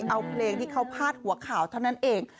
เอาเพลงที่เขาพาดหัวข่าวเท่านั้นเอง